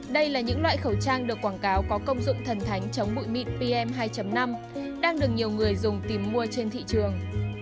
đây là những loại khẩu trang được quảng cáo có công dụng thần thánh chống bụi mịn pm hai năm đang được nhiều người dùng tìm mua trên thị trường